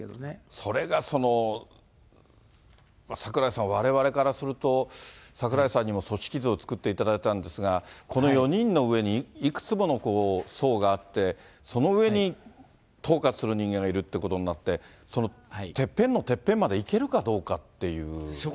それがその、櫻井さん、われわれからすると、櫻井さんにも組織図を作っていただいたんですが、この４人の上にいくつもの層があって、その上に統括する人間がいるっていうことになって、そのてっぺんのてっぺんまでいけるかどうかっていう。